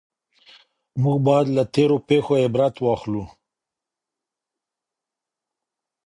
موږ بايد له تېرو پېښو عبرت واخلو.